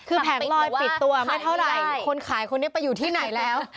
คือแผงลอยปิดตัวไม่เท่าไหร่คนขายคนนี้ไปอยู่ที่ไหนแล้ว